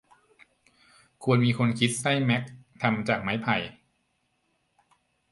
ควรมีคนคิดไส้แม็กทำจากไม้ไผ่